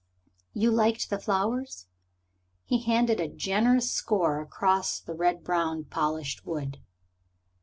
"You liked the flowers?" He handed a generous score across the red brown polished wood.